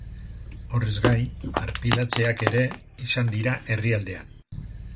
Horrez gain, arpilatzeak ere izan dira herrialdean.